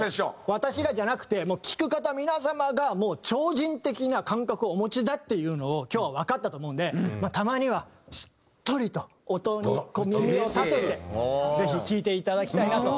私らじゃなくてもう聴く方皆様がもう超人的な感覚をお持ちだっていうのを今日はわかったと思うのでまあたまにはしっとりと音にこう耳を立ててぜひ聴いていただきたいなと。